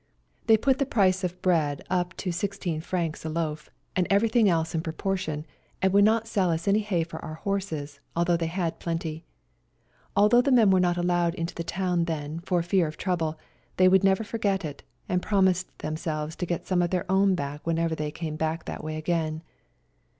They put the price of bread up to Frs. 16 a loaf, and everything else in proportion, and would not sell us any hay for our horses, although they had plenty. Although the men were not allowed into the town then for fear of trouble, they would never forget it, and promised themselves to get some of their own back whenever they came back that way again.